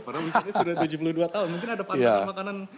padahal misalnya sudah tujuh puluh dua tahun mungkin ada patokan makanan